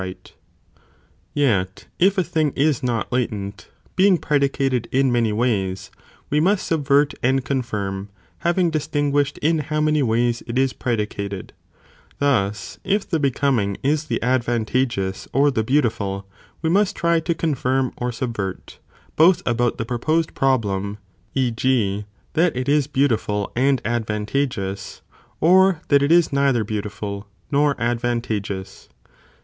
Ifit | Yet if athing is not latent, being predicated in Aes eee eae' many ways, we must subvert and confirm, having distinguish the distinguished in how many ways it is predicated ; τ ado thus, if the becoming is the advantageous or the (Cf. Top. vi.2.) beautiful, we must try to confirm or subvert, both about the proposed (problem), e. g. that it is beautiful and OHAP, III. ]. 'THE TOPICS. 389 advantageous, or that it is neither beautiful nor advantageous.